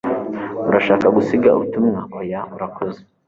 "Urashaka gusiga ubutumwa?" "Oya, urakoze."